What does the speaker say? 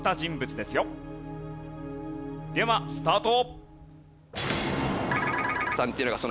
ではスタート。